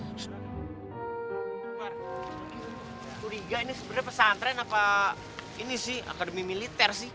turiga ini sebenarnya pesantren apa ini sih akademi militer sih